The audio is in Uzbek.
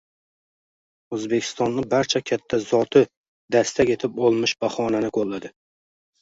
O’zbekistonni barcha katta zoti dastak etib olmish bahonani qo‘lladi: